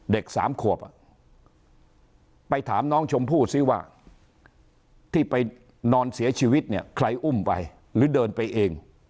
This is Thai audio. สามขวบไปถามน้องชมพู่ซิว่าที่ไปนอนเสียชีวิตเนี่ยใครอุ้มไปหรือเดินไปเอง